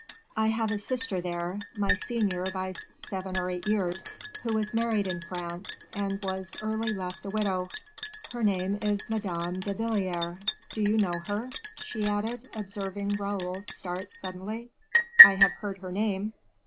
"I have a sister there, my senior by seven or eight years, who was married in France, and was early left a widow; her name is Madame de Belliere. Do you know her?" she added, observing Raoul start suddenly. "I have heard her name."